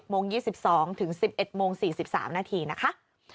โมง๒๒ถึง๑๑โมง๔๓นาทีนะคะ